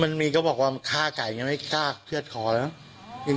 ก็มันมีก็บอกว่าฆ่าไก่ไม่ได้ฆ่าเครือดคอแล้ว